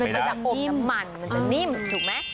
มาจากอกน้ำมันมันจะนิ่มถูกไหม